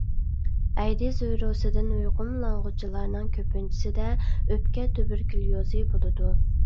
ئەيدىز ۋىرۇسىدىن يۇقۇملانغۇچىلارنىڭ كۆپىنچىسىدە ئۆپكە تۇبېركۇليۇزى بولىدۇ.